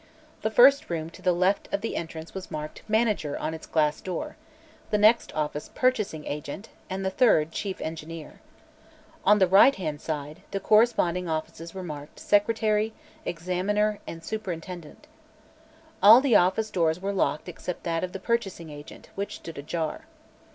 The first room to the left of the entrance was marked "Manager" on its glass door; the next office "Purchasing Agent," and the third "Chief Engineer." On the right hand side, the corresponding offices were marked "Secretary," "Examiner," and "Superintendent." All the office doors were locked except that of the Purchasing Agent, which stood ajar.